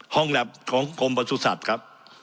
ห้องแลพของกรมประสุทธิศาสตร์ครับ